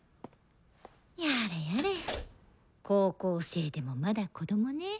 やれやれ高校生でもまだ子供ねぇ。